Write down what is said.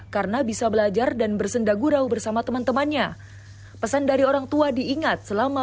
karena bisa belajar dan bersendagurau bersama teman temannya pesan dari orang tua diingat selama